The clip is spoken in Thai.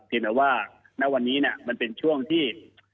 แต่ว่าณวันนี้มันเป็นช่วงที่